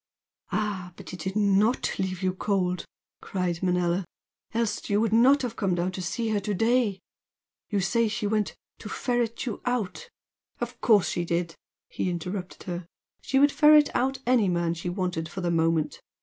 "Ah, but it did NOT leave you cold!" cried Manella; "Else you would not have come down to see her to day! You say she went 'to ferret you out' " "Of course she did" he interrupted her "She would ferret out any man she wanted for the moment.